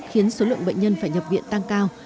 khiến số lượng bệnh nhân phải nhập viện tăng cao